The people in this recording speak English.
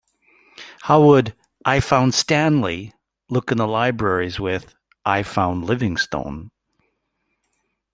How would "I Found Stanley" look in the libraries with "I Found Livingstone"?